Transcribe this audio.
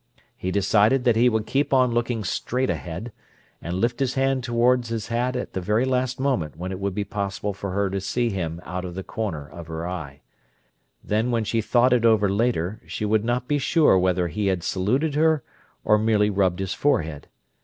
He decided that he would keep on looking straight ahead, and lift his hand toward his hat at the very last moment when it would be possible for her to see him out of the corner of her eye: then when she thought it over later, she would not be sure whether he had saluted her or merely rubbed his forehead.